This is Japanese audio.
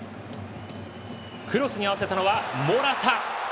クロスに合わせたのはモラタ。